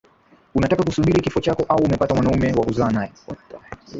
Unataka kusubiri kifo chako Au umepata mwanaume wa kuzaa nae